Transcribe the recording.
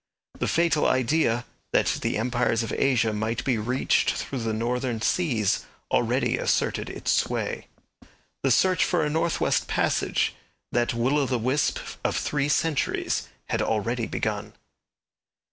The fatal idea, that the empires of Asia might be reached through the northern seas already asserted its sway. The search for a north west passage, that will o' the wisp of three centuries, had already begun.